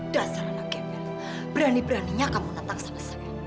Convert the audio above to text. dasar anak gembel berani beraninya kamu datang sama sama